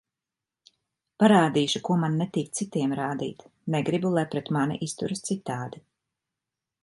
Parādīšu, ko man netīk citiem rādīt, negribu, lai pret mani izturas citādi.